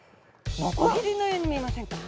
ノコギリのように見えませんか？